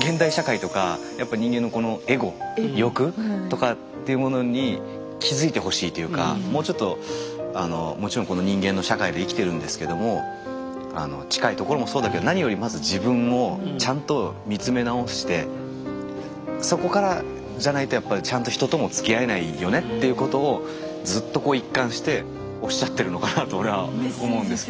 現代社会とかやっぱ人間のこのエゴ欲とかっていうものに気付いてほしいというかもうちょっとあのもちろんこの人間の社会で生きてるんですけども近いところもそうだけど何よりまず自分もちゃんと見つめ直してそこからじゃないとやっぱりちゃんと人ともつきあえないよねっていうことをずっとこう一貫しておっしゃってるのかなと俺は思うんです。